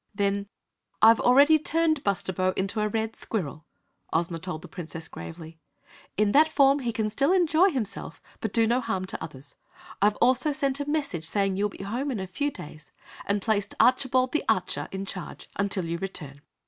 Then: "I've already turned Bustabo into a red Squirrel!" Ozma told the Princess, gravely. "In that form he still can enjoy himself, but do no harm to others. I've also sent a message saying you will be home in a few days, and placed Archibald the Archer in charge till you return!"